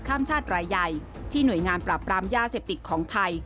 ข้ามชาติรายใหญ่ที่หน่วยงานปราบปรามยาเสพติดของไทย